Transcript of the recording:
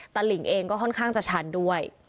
ตลิงเองก็ค่อนข้างจะชันด้วย